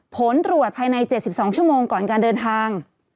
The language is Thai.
ผลตรวจภายใน๗๒ชั่วโมงก่อนการเดินทาง